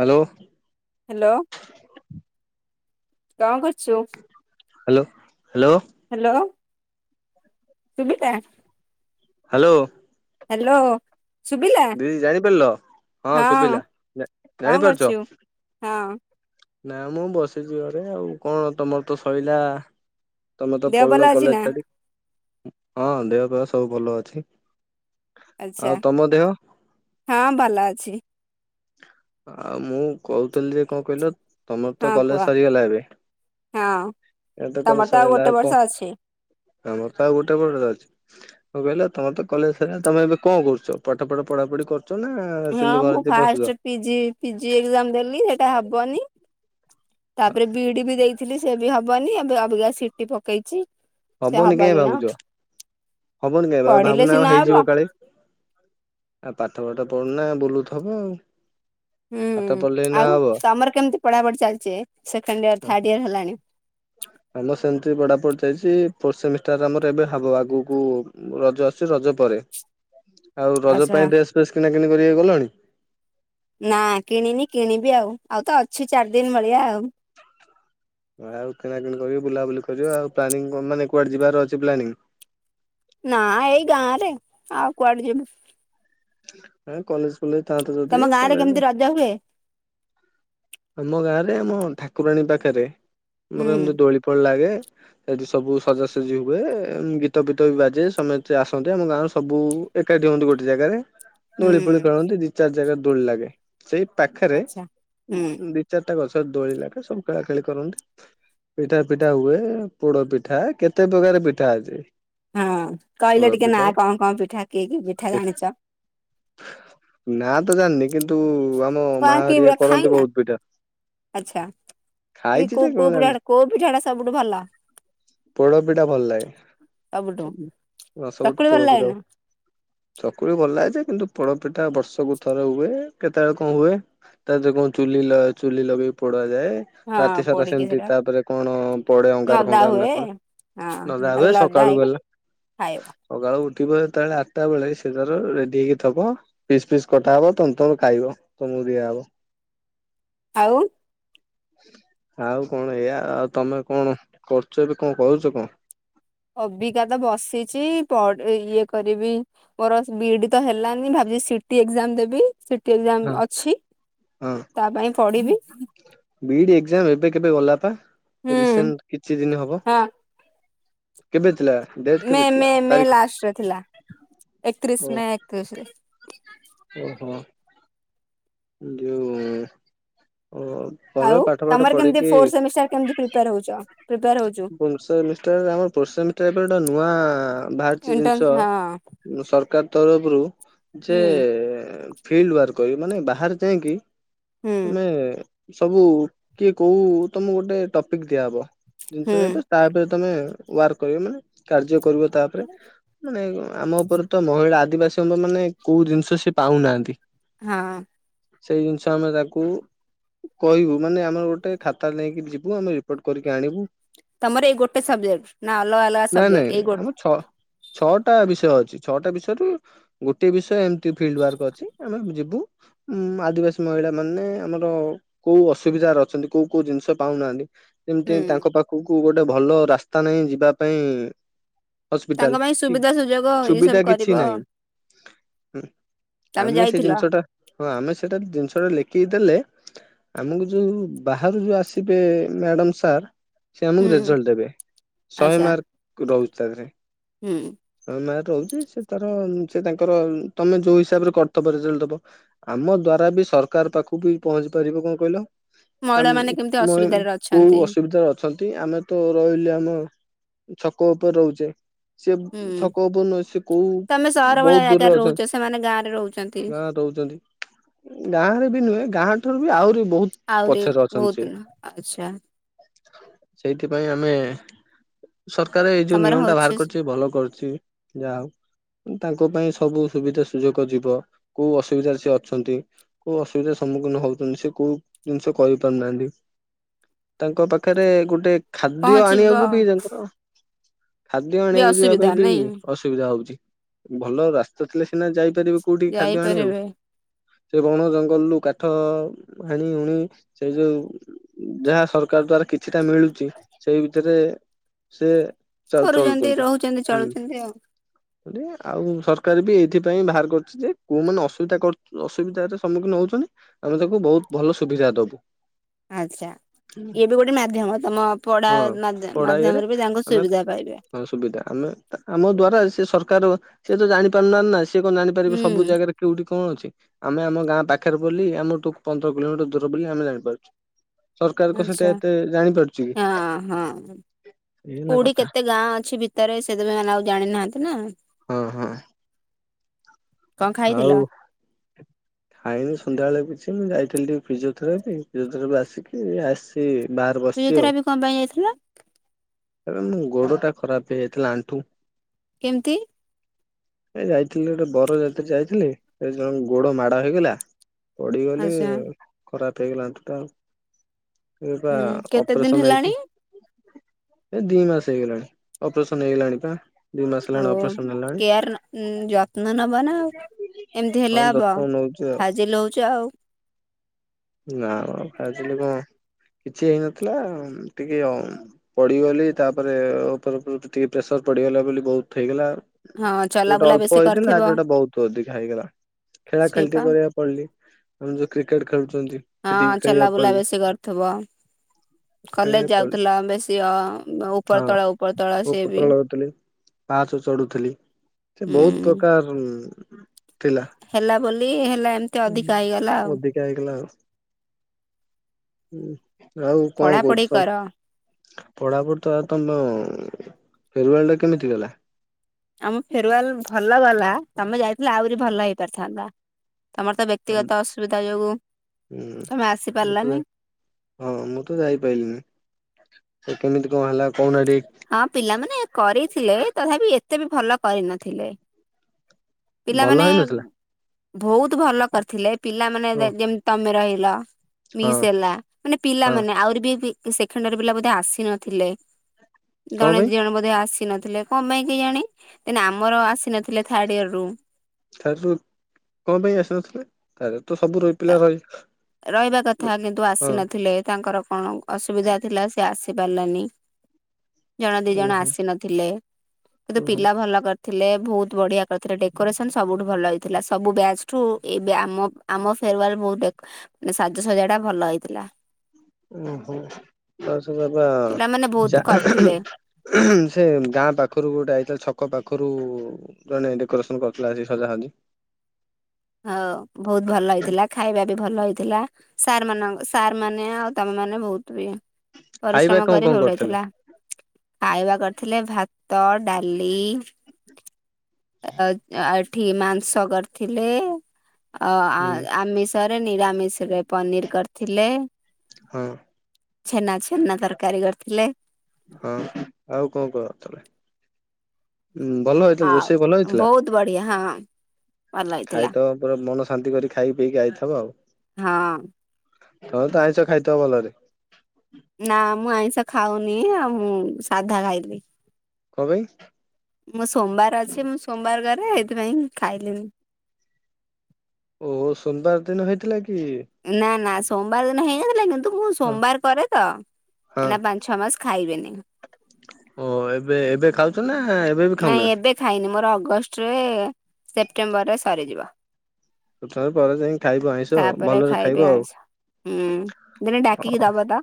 Hello. Hello କଣ କରୁଚୁ? Hello hello. Hello. ଶୁଭିଲା। ହାଲୋ। ହାଲୋ। ଶୁବିଲା ଦିଦି ଜାଣିପାରିଲ ହଁ କଣ ଜାଣିପାରୁଛ କରୁଚୁ? ହଁ। ନା ମୁଁ ବସିଚି ଘରେ ଆଉ କଣ ତମର ତ ସଇଲା। ତମେ ତ ଦେହ ଭଲ ପଲ ଅଛି କଲେଜ ନା ଛାଡି ହଁ ଦେହ ଫେହ ସବୁ ଭଲ ଅଛି। ଆଉ ଆଛା ତମ ଦେହ ହଁ ଭଲ ଅଛି। ଆଉ ମୁଁ କଉଥିଲି ଯେ କଣ କଇଲ ତମର ତ ହଁ କୁହ କଲେଜ ସରିଗଲା ଏବେ ହଁ ତ ତମର କଲେଜ ସରିଗଲା ଗୋଟେ ଆଉ ବର୍ଷ କଣ ଅଛି ଆମର ତ ଗୋଟେ [unintelligible] ଅଛି। ମୁଁ କଇଲି ଆଉ ତମର ତ କଲେଜ ସରିଗଲା। ତମେ ଏବେ କଣ କରୁଚ ପାଠ ଫାଠ ପଢାପୁଢି କରୁଚ ନା? ନା ସେମିତି ଘରେ [unintelligible] ବସୁଚ? ପିଜି-ପିଜି ଏଗ୍ ଜାମ୍ ଦେଲି ସେଇଟା ହବନି ତାପରେ ବି ଇ ଡି ବି ଦେଇ ଥିଲି ସିଏ ବି ହବନି ଏବେ ଅବିକା ସିଟି ପକେଇଚି। ହବନି କାଇଁ ଭାବୁଚ ହବନି କାଇଁ ପଢିଲେ ଭା-ଭାବୁନାଅ ସିନା ହବ ହେଇଯିବ କାଳେ। ଆଉ ପାଠ ଫାଠ ପଢୁନା ବୁଲୁଥବ ଆଉ। ହୁଁ ପାଠ ପଢିଲେ ନା ଆଉ ହବ। ତମର କେମିତି ପଢାପଢି ଚାଲିଚେ ସେକେଣ୍ଡ ଇୟର ଥାର୍ଡ ଇୟର ହେଲାଣି? ଆମର ସେମିତି ପଢ଼ାପୁଢ଼ି ଚାଲିଚି ଫୋର୍ ସେମିଷ୍ଟାର ଆମର ଏବେ ହବ ଆଗୁକୁ। ରଜ ଆସୁଚି ରଜ ପରେ ଆଉ ରଜ ଆଚ୍ଛା ପାଇଁ ଡ୍ରେସ ଫ୍ରେସ କିଣାକିଣି କରବାକୁ ଗଲଣି? ନା କିଣିନି କିଣିବି ଆଉ ଆଉ ତ ଅଛି ଚାରି ଦିନ ଭଳିଆ ଆଉ। ଆଉ କିଣାକିଣି କରିକି ବୁଲାବୁଲି କରିବ ଆଉ ପ୍ଲାନିଂ କଣ ମାନେ କୁଆଡେ ଯିବାର ଅଛି ପ୍ଲାନିଂ? ନା ଏଇ ଗାଁ ରେ ଆଉ କୁଆଡେ ଯିବୁ? ଏ କଲେଜ ଫଲେଜ ଥାନ୍ତା ଯଦି ତମ ଗାଁ [unintelligible] [unintelligible] ହୁଏ? ଆମ ଗାଁରେ ଆମ ଠାକୁରାଣୀ ପାଖେରେ ଆମର ହୁଁ ଏମିତି ଦୋଳି ଫୋଳି ଲାଗେ। ସେଇଠି ସବୁ ସଜାସୁଜି ହୁଏ ଗୀତ ଫିତ ବି ବାଜେ ସମେସ୍ତେ ଆସନ୍ତି ଆମ ଗାଁରୁ ସବୁ ଏକାଠି ହୁଅନ୍ତି ଗୋଟେ ଜାଗାରେ ଦୋଳି ହୁଁ ଫୋଳି ଖେଳନ୍ତି ଦି ଚାରି ଜାଗାରେ ଦୋଳି ଲାଗେ ସେଇ ପାଖେରେ ଆଚ୍ଛା ହୁଁ ଦି ଚାରିଟା ଗଛରେ ଦୋଳି ଲାଗେ ସବୁ ଖେଳା ଖେଳି କରନ୍ତି। ପିଠା ଫିଠା ହୁଏ ପୋଡ଼ପିଠା କେତେ ପ୍ରକାର ପିଠା ଅଛି। ହଁ ପୋଡ କଇଲ ଟିକେ ନା ପିଠା କଣ କଣ ପିଠା କି କି ପିଠା ଜାଣିଚ? ନାଁ ତ ଜାଣିନି କିନ୍ତୁ ଆମ ମା କଣ କି ହରିଆ କରନ୍ତି ଖାଇନା ବହୁତ ପିଠା। ଆଚ୍ଛା କି ଖାଇଛି ଯେ କୋଉ କଣ କୋଉ ପିଠା ଜାଣିଛି ଟା କୋଉ ପିଠାଟା ସବୁଠୁ ଭଲ? ପୋଡ଼ପିଠା ଭଲ ଲାଗେ ସବୁଠୁ ସବୁ ଚକୁଳି ସବୁଠୁ ଭଲ ଲାଗେ ନା ପୋଡ଼ପିଠା ଚକୁଳି ଭଲ ଲାଗେ ଯେ କିନ୍ତୁ ପୋଡ଼ପିଠା ବର୍ଷକୁ ଥରେ ହୁଏ କେତବେଳେ କଣ ହୁଏ। ତା [unintelligible] କଣ ଚୁଲି ଲ ଚୁଲି ଲଗେଇକି ପୋଡ଼ା ଯାଏ। ହଁ ରାତି ସାରା ପୋଡିକି ସେମିତି ସେଟା ତା ଉପରେ କଣ ପଡେ ଅଙ୍ଗାର ନଦା ଫଙ୍ଗାର ହୁଏ ନା କଣ? ହଁ ନଦା ତାକୁ ହୁଏ ଲଦା ସକାଳୁ ହେଇକି ହେଲେ [unintelligible] ସକାଳୁ ଉଠିବ ଯେତେବେଳେ ଆଠଟା ବେଳେ ସେ ତାର ରେଡି ହେଇକି ଥବ। ପିସ୍ ପିସ୍ କଟା ହବ ତମେ ତମେ ଖାଇବ ତମକୁ ଦିଆହବ। ଆଉ ଆଉ କଣ ଏଇଆ ଆଉ। ଆଉ ତମେ କଣ କରୁଛ ଏବେ କଣ କରୁଚ କଣ? ଅବିକା ତ ବସିଛି ପଡ଼ିବ ଏ ଇଏ କରିବି। ମୋର ବିଇଡି ତ ହେଲାନି ଭାବିଛି ସିଟି ଏକ୍ସାମ୍ ଦେବି! ସିଟି ଏକ୍ସାମ୍ ହଁ ଅଛି ହଁ ତା ପାଇଁ ପଢିବି। ବିଇଡି ଏକ୍ସାମ୍ ଏବେ କେବେ ଗଲା ପା ହୁଁ ରିସେଣ୍ଟ କିଛି ଦିନ ହବ! ହଁ କେବେ ଥିଲା ଡେଟ ମେ କେବେ ଥିଲା ମେ ମେ ତାରିଖ? ଲାଷ୍ଟରେ ଥିଲା। ଏକତିରିଶ ମେ ଏକତିରିଶ ରେ ଓହୋ। ଯୋଉ ଅ ଆଉ ତମର କେମତି ଫୋର୍ ସେମିଷ୍ଟାର କେମିତି ପ୍ରିପେୟର ହଉଚ ପ୍ରିପେୟାର ହଉଚୁ? ଫୋର୍ ସେମିଷ୍ଟାର ଆମର ଫୋର୍ ସେମିଷ୍ଟାର ଏବେ ଗୋଟେ ନୂଆ ବାହାରିଛି ଏଣ୍ଟ୍ରାନ୍ସ ଜିନିଷ। ହଁ ସରକାର ତରଫରୁ ଯେ ହୁଁ ଫିଲ୍ଡ ୱାର୍କ କରିବେ। ମାନେ ବାହାରେ ଯାଇଙ୍କି ହୁଁ ତମେ ସବୁ କିଏ କୋଉ ତମକୁ ଗୋଟେ ଟପିକ୍ ଦିଆହବ। ହୁଁ ଜିନିଷ [unintelligible] ତା ଉପରେ ତମେ ୱାର୍କ କରିବ ମାନେ କାର୍ଯ୍ୟ କରିବ ତାପରେ। ମାନେ ଆମ ଉପରେ ତ ମହିଳା ଆଦିବାସୀ [unintelligible] ମାନେ କୋଉ ଜିନିଷ ସେ ପାଉନାହାନ୍ତି? ହଁ। ସେଇ ଜିନିଷ ଆମେ ତାକୁ କହିବୁ। ମାନେ ଆମର ଗୋଟେ ଖାତା ନେଇକି ଯିବୁ ଆମେ ରି ରିପୋର୍ଟ କରିକି ଆଣିବୁ। ତମର ଏଇ ଗୋଟେ ସବଜେକ୍ଟ ନା ଅଲଗା ଅଲଗା ନାଇଁ ନାଇଁ ସବଜେକ୍ଟ? ଆମ ଏଇଗୋଟ ଛଅ ଛଅଟା ବିଷୟ ଅଛି। ଛଅଟା ବିଷୟରୁ ଗୋଟିଏ ବିଷୟ ଏମିତି ଫିଲ୍ଡ ୱାର୍କ ଅଛି। ଆମେ ଯିବୁ। ଉଁମ୍ ଆଦିବାସୀ ମହିଳା ମାନେ ଆମର କୋଉ ଅସୁବିଧାରେ ଅଛନ୍ତି? କୋଉ କୋଉ ଜିନିଷ ପାଉନାହାନ୍ତି? ଯେମିତି ହୁଁ ତାଙ୍କ ପାଖକୁ ଗୋଟେ ଭଲ ରାସ୍ତା ନାହିଁ ଯିବା ପାଇଁ ତାଙ୍କ ହସ୍ପିଟାଲ ପାଇଁ କି ସୁବିଧା ସୁଯୋଗ ଏଇ ସବୁ ସୁବିଧା କରିବ କିଛି ନାହିଁ। ତମେ ଆମେ ସେ ଯାଇଥିଲ ଜିନିଷ ଟା ହଁ ଆମେ ସେଇଟା ଜିନିଷ ଟା ଲେଖିକି ଦେଲେ ଆମକୁ ଯୋଉ ବାହାରୁ ଯୋଉ ଆସିବେ ମ୍ୟାଡମ ସାର୍! ସେ ଆମକୁ ହୁଁ ରେଜଲ୍ଟ ଦେବେ। ଶହେ ଆଚ୍ଛା ମାର୍କ ରହୁଛି ତାଧେରେ। ହୁଁ। ହଁ ମ୍ୟାଥ ହଉଚି ସେ ତାର ସେ ତାଙ୍କର ତମେ ଯୋଉ ହିସାବରେ କରିଥବ ରେଜଲଟ ଦବ। ଆମ ଦ୍ଵାରା ବି ସରକାର ପାଖକୁ ବି ପହଞ୍ଚି ପାରିବ କଣ କହିଲ? ଆମ ମହିଳାମାନେ କେମିତି ମୁଁ ଅସୁବିଧାରେ କୋଉ ଅଛନ୍ତି ଅସୁବିଧା ଅ ଛନ୍ତି। ଆମେ ତ ରହିଲେ ଆମ ଛକ ଉପରେ ରହୁଛେ। ସିଏ ହୁଁ। ଛକ ଉପରେ ନୁହେଁ, ସିଏ କୋଉ ତମେ ସହର ଭଳିଆ ବହୁତ ଦୂରରେ ଜାଗାରେ ଅଛନ୍ତି। ରହୁଛ ସେମାନେ ଗାଁ ରେ ରହୁଛନ୍ତି ଗାଁ ଦଉଛନ୍ତି। ଗାଁ ରେ ବି ନୁହେଁ, ଗାଁ ଠାରୁ ବି ଆହୁରି ବହୁତ ଆହୁରି ପଛରେ ଅଛନ୍ତି ବହୁତ ସିଏ। ଆଚ୍ଛା। ସେଇଥିପାଇଁ ଆମେ ସରକାର ଏଇ ଯୋଉ ତମର ନିୟମ ଟା ହଉଛି ବାହାର କରୁଛି ଭଲ କରୁଛି। ଯାହାହଉ। ତାଙ୍କ ପାଇଁ ସବୁ ସୁବିଧା ସୁଯୋଗ ଯିବ। କୋଉ ଅସୁବିଧାରେ ସିଏ ଅଛନ୍ତି? କୋଉ ଅସୁବିଧାର ସମ୍ମୁଖୀନ ହଉଛନ୍ତି? ସେ କୋଉ ଜିନିଷ କରିପାରୁନାହାନ୍ତି? ତାଙ୍କ ପାଖ ପାଖରେ ଗୋଟେ ଖାଦ୍ୟ ପହଞ୍ଚିବ ଆଣିବାକୁ ବି ତାଙ୍କର ଖାଦ୍ୟ ବି ଆଣିଆକୁ ଯିବା ଅସୁବିଧା ପାଇଁ ବି ନାଇଁ ଅସ ସୁବିଧା ହଉଛି। ଭଲ ରାସ୍ତା ଥିଲେ ସିନା ଯାଇପାରିବେ କୋଉଠିକି ଖାଦ୍ୟ ଆଣିଆକୁ। ଯାଇପାରିବେ ସେ ବଣ ଜଙ୍ଗଲରୁୁ କାଠ ହାଣି ହୁଣି ସେ ଯୋଉ ଯାହା ସରକାର ଦ୍ଵାରା କିଛିଟା ମିଳୁଛି। ସେଇ ଭିତରେ ସେ କରୁଛନ୍ତି ରହୁଛନ୍ତି ଚଳୁଛନ୍ତି ଆଉ। [unintelligible] ରେ ଆଉ ସରକାର ବି ଏଇଥିପାଇଁ ବାହାର କରୁଛି ଯେ କୋଉମାନେ ଅସୁବିଧା ଅସୁବିଧାର ସମ୍ମୁଖୀନ ହେଉଛନ୍ତି ଆମେ ତାକୁ ବହୁତ ଭଲ ସୁବିଧା ଦବୁ। ଆଛା ଇଏ ବି ଗୋଟେ ମାଧ୍ୟମ ତମ ପଢା ହଁ ମାଧ୍ୟ ମାଧ୍ୟମରେ ବି ତାଙ୍କ ସୁବିଧା ପାଇବେ। ହଁ ସୁବିଧା ଆମେ ଆମ ଦ୍ଵାରା ସେ ସରକାର ସେଏ ତ ଜାଣିପାରୁନାହାନ୍ତି ନା ସେ କଣ ଜାଣିପାରିବେ ସବୁ ହୁଁ ଜାଗାରେ। କୋଉଠି କଣ ଅଛି ଆମେ ଆମ ଗାଁ ପାଖରେ ବୋଲି ଆମଠୁ ପନ୍ଦର କିଲୋମିଟର ଦୂର ବୋଲି ଆମେ ଜାଣିପାରୁଛୁ। ସରକାରଙ୍କ ଆଚ୍ଛା ସେଠି ହଁ ହଁ ଏଇ ହେଲା କୋଉଠି କଥା କେତେ ଗାଁ ଅଛି ଭିତରେ ସେଥିପାଇଁ ଏମାନେ ଆଉ ଜାଣିନାହାନ୍ତି ନା ହଁ ହଁ କଣ ଖାଇଥିଲ? ଆଉ ଖାଇନି ସନ୍ଧ୍ୟାବେେଳେ କିଛି ମୁଁ ଯାଇଥିଲି ଟିକେ ଫିଜିଓଥେରାପି ଫିଜିଓଥେରାପିରୁ ଆସିକି ଆସି ଏଇ ବାହାରେ ବସିଛି ଆଉ ଫିଜିଓଥେରାପି କଣ ପାଇଁ ଯାଇଥିଲ ଏବେ ମୋ ଗୋଡ ଟା ଖରାପ ହେଇ ଯାଇଥିଲା ଆଣ୍ଠୁ କେମିତି? ଏ ଯାଇଥିଲି ଗୋଟେ ବରଯାତ୍ରି ଯାଇଥିଲି ଏ ଜଣଙ୍କ ଗୋଡ ମାଡ ହେଇଗଲା ପଡିଗଲି ଆଚ୍ଛା। ଖରାପ ହେଇଗଲା ଆଣ୍ଠୁ ଟା ଆଉ। ଏ ପା ହୁଁ କେତେ ଦିନ ଅପରେସନ ହେଲାଣି ହେଇଛି। ଏ ଦି ମାସ ହେଇଗଲାଣି ଅପରେସନ ହେଇଗଲାଣି। ପା ଦି ମାସ ଓ ହେଲାଣି ଅପରେସନ ହେଲାଣି କେୟାର ନ ଯ ଯତ୍ନ ନେବ ନା ଆଉ ଏମିତି ହଁ ହେଲେ ହବ ଯତ୍ନ ନଉଛି ଆଉ ଫାଜିଲଉଛୁ ଆଉ। ନା ଖାଇଥିଲି କଣ କିଛି ହେଇନଥିଲା ଟିକିଏ ଅ ପଡିଗଲି ତାପରେ ଉପର ଉପରେ ଟିକିଏ ପ୍ରେସର ପଡିଗଲା ବୋଲି ବହୁତ ହେଇଗଲା। ହଁ ଯୋଉଟା ଚଲାବୁଲା ଅଳ୍ପ ବେଶୀ ହେଇଥିଲା କରିଥିବ ଯୋଉଟା ବହୁତ ଅଧିକା ହେଇଗଲା ଖେଳା ଖେଳିଟି ସେଇପା କରିବା ପଲି ଆମେ ଯୋଉ କ୍ରିକେଟ ଖେଳୁଛନ୍ତି। ସେଠିକି ହଁ ଖେଳିବାକୁ ଚଲାବୁଲା ପଳେଇଲି ବେଶୀ କରିଥିବ। କଲେଜ ଖେଳିବାକୁ ପଳେଇଲି ଯାଉଥିଲା ବେଶୀ ଅ ଉପର ହଁ ତଳ ଉପର ତଳ ସିଏ ବି ପାଚ ଚଢୁଥିଲି ସେ ବହୁତ ହୁଁ ପ୍ରକାର ଉ ହେଲା ବୋଲି ହେଲା ଏମତି ଅଧିକା ହେଇଗଲା ଆଉ। ଅଧିକା ହେଇଗଲା ଆଉ [inaudible] ଆଉ କଣ ପଢାପଢି କହୁଛୁ ସ କର ପଢାପଢି ତ ଆ ତମ ଫେରୁୱଳ ଟା କେମିତି ଗଲା। ଆମ ଫେରୱାଲ ଭଲ ଗଲା ତମେ ଯାଇଥିଲ ଆହୁରି ଭଲ ହେଇ ପାରିଥାନ୍ତା। ତମର ତ ବେ ହୁଁ କ୍ତିଗତ ଅସୁବିଧା ଯୋଗୁ ତମେ ମୁଁ ତ ଆସିପାରିଲାନୀ। ହଁ ମୁଁ ତ ଯାଇପାରିଲିନି କେମିତି କଣ ହେଲା କହୁନ ଟିକି ହଁ ପିଲାମାନେ କରିଥିଲେ ତଥାପି ଏତେ ବି ଭଲ କରିନଥିଲେ। ଭଲ ପିଲାମାନେ ହେଇନଥିଲା ବହୁତ ଭଲ କରିଥିଲେ ପିଲାମାନେ ହଁ ଯେମତି ତମେ ରହିଲ ହଁ ମିସ୍ ହେଲା ମାନେ ହଁ ପିଲାମାନୋନେ ଆହୁରି ବି ପି ସେଖେଣ୍ଡାର ପିଲା ବୋେ ଆସି ନଥିଲେ କଣ ଜଣେ ପାଇଁ ଦି ଜଣ ବ ଆସି ନଥିଲେ। କ ପାଇଁ କି ଜାଣ ଆମର ଆସିନଥିଲେ ଥାର୍ଡ ଇୟର ରୁ। ଥାର ର କଣ ପାଇଁ ଆସିନଥିଲେ ଥରେ ତ ସବୁ ର ତା ରହିବା କଥା କିନ୍ତୁ ହଁ ଆସିନଥିଲେ ତାଙ୍କର କଣ ଅସୁବିଧା ଥିଲା ସେ ଆସି ପାଲିନି ଜଣେ ଦି ଜଣ ଓହୋ ଆସି ନଥିଲେ କିନ୍ତୁ ଓହୋ ପିଲା ଭଲ କରି ଥିଲେ ବହୁତ ବଢ଼ିଆ କରିଥିଲେ ଡେକୋରେସନ୍ ସବୁଠୁ ଭଲ ହେଇଥିଲା ସବୁ ବ୍ୟାଚ୍ ଠୁ ଏବେ ଆମ ଆମ ଫେରୱଲ ବହୁତ ବେକ ମାନେ ସାଜସଜା ଟା ଭଲ ହେଇଥିଲା। ଓହୋ ବସ ବାବା ପିଲାମାନେ ବହୁତ ଚା କରିଥିଲେ ସେ ଗାଁ ପାଖରୁ ଗୋଟେ ଏଇତ ଛକ ପାଖରୁ ଜଣେ ଡକୋରେସନ କରିଥିଲା ଆ ସଜା ସଜି। ହଁ ବହୁତ ଭଲ ହେଇଥିଲା ଖାଇବା ବି ଭଲ ହେଇଥିଲା। ସାର୍ ମାନଙ୍କ ସାର୍ ମାନେ ଆଉ ତମେ ମାନେ ବହୁତ ବି ଖାଇବା ପରିଶ୍ରମ କଣ କରି କଣ କରିଥିଲେ? ଭଲହୋଇଥିଲା। ଖାଇବା କରିଥିଲେ ଭାତ ଡାଲି ଆ ଏଠି ମାଂସ କରିଥିଲେ ଅ ହୁଁ। ଆମିଷ ରେ ନିରାମିଷରେ ପନିର କରିଥିଲେ। ହଁ ଛେନା ଛେନା ତରକାରୀ କରିଥିଲେ। ହଁ ଆଉ କଣ [unintelligible] ଉୁଁ ଭଲ ହେଇଥିଲା ଆଉ ରୋଷେଇ ଭଲ ହେଇଥିଲା? ବହୁତ ବଢିଆ ହଁ ଭଲ ହେଇଥିଲା ଖାଇଥବ ପୁରା ମନ ଶାନ୍ତି କରି ଖାଇକି ପିଇକି ଆଇଥବ ଆଉ। ହଁ। ତମେ ତ ଆଇଁଷ ଖାଇଥିବ ଭଲରେ? ନା ମୁଁ ଆଇଁଷ ଖାଉନି ଆଉ ମୁଁ ସାଧା ଖାଇଲି। କଣ ପାଇଁ? ମଁ ସୋମବାର ଅଛି ମୁଁ ସୋମବାର ଘରେ ସେଇଥିପାଇଁ ଖାଇଲିନି। ଓ ସୋମବାର ଦିନ ହେଇଥିଲା କି? ନା ନା ସୋମବାର ଦିନ ହେଇନଥିଲା କିନ୍ ତୁ ମୁଁ ହଁ ସୋମବାର କରେ ତ ହଁ ଏଇନା ପାଞ୍ଚ ଛଅ ମାସ ଖାଇବିନି। ଓ ଏବେ ଏବେ ଖାଉଛ ନା ଏବେ ବି ଖାଉନା? ନାଇଁ ଏବେ ଖାଇନି ମୋର ଅଗଷ୍ଟରେ ସେପ୍ଟେମ୍ବରରେ ସରିଯିବ। ରଥ ପରେ ଯାଇକି ଖାଇବ ଆଇଁଷ ତାପରେ ଭଲରେ ଖାଇବି ଖାଇବ ଆଉ। ଆଇଁଷ ହୁଁ ଦିନେ ଡାକି କିି ଦବ ତ।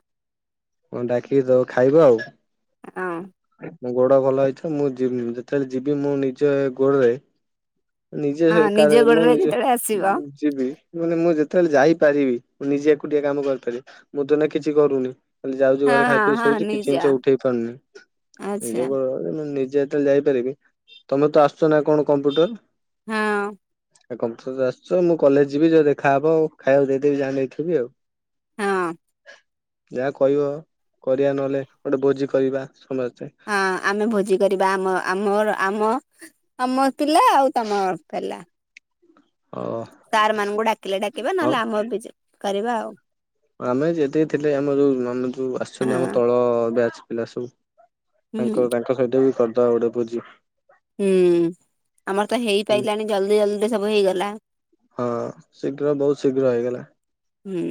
ହଁ ଡାକି ଦବ ଖାଇବ ଆଉ। ହଁ ମୋ ଗୋଡ ଭଲ ହେଇଥାଉ ମୁଁ ଜିବି ଯେତେବେଳେ ଯିବି ମୁଁ ନିଜ ଗୋଡରେ ନିଜେ ହଁ କା ନିଜ ମୁଁ ଗୋଡରେ ନିଜେ ଯେତେବେଳେ ଆସିବ ଯିବି ମାନେ ମୁଁ ଯେତେବେଳେ ଯାଇପାରିବି ମୁଁ ନିଜେ ଏକୁଟିଆକାମ କରିପାରିବି ମୁଁ ତ ଏଇନା କିଛି କରୁନି ଯାଉଛି ହଁ ଘରେ ଖାଇ ହଁ ପିଇ ହଁ ଶୋଉଛି କିଛି ନିଜ ଜିନିଷ ଉଠେଇ ପାରୁନି ଆଚ୍ଛା ନିଜ କୁ- ମୁଁ ନିଜେ ଯେତେବେଳେ ଯାଇପାରିବି ତମେ ତ ଆସୁଛ ନା କଣ କମ୍ପ୍ୟୁଟର? ହଁ। ଆଉ କମ୍ପୁଟର ଆସୁଛ ମୁଁ କଲେଜ ଯିବି ଯୋଉ ଦେଖା ହବ ଆଉ ଖାଇବାକୁ ଦେଇଦବି ଯାହା ନେଇଥିବି ଆଉ। ହଁ। ଯାହା କହିବ କରିବା ନହେଲେ ଗୋଟେ ଭୋଜି କରିବା ସମସ୍ତେ। ହଁ ଆମେ ଭୋଜି କରିବା ଆମ ଆମର ଆମ ଆମ ପିଲା ଆଉ ତମ ପିଲା ଅ ସାର୍ ମାନଙ୍କୁ ଡାକିଲେ ଡାକିବା ନହେଲେ ଆମେ ବି କରିବା ଆଉ ଆମେ ଯେତିକି ଥିଲେ ଆମ ଯୋଉ ଆମ ଯୋଉ ହଁ ଆସିଛନ୍ତି ଆମ ତଳ ବ୍ୟାଚ୍ ପିଲା ସବୁ ହୁଁ ତାଙ୍କ ତାଙ୍କ ସହିତ ବି କରିଦବା ଗୋଟେ ଭୋଜି। ହୁଁ ଆମର ତ ହେଇପାରିଲାନି ଜଲଦି ଜଲଦିରେ ସବୁ ହେଇଗଲା। ହଁ ଶୀଘ୍ର ବହୁତ ଶୀଘ୍ର ହେଇଗଲା। ହୁଁ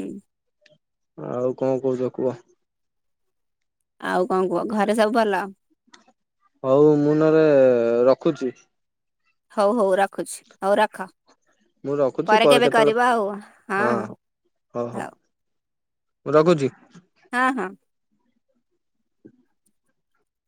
ଆଉ କଣ କହୁଛ କୁହ? ଆଉ କଣ କୁହ ଘରେ ସବୁ ଭଲ? ହଉ ମୁଁ ନହେଲେ ରଖୁଛି। ହଉ ହଉ ରଖୁଛି ହଉ ରଖ। ମୁଁ ରଖୁଛି ପରେ କେବେ କରିବ କେତେବେଳେ ଆଉ ହଁ ହଉ। ମୁଁ ରଖୁଛି। ହଁ ହଁ।